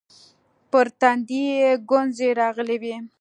پر تندي يې گونځې راغلې وې.